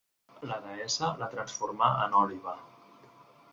La deessa la transformà en òliba.